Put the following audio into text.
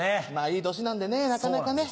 いい年なんでねなかなかね。